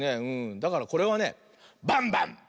だからこれはね「バンバン」。